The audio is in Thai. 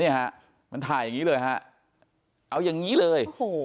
ฮะมันถ่ายอย่างนี้เลยฮะเอาอย่างนี้เลยโอ้โห